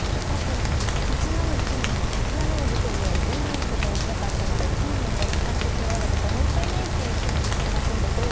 何かこう８七の地点には銀とか打ちたかったので金を使ってしまうのがもったいないっていう心理が働くんですが。